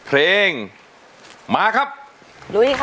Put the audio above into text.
เพลงมาครับลุยค่ะ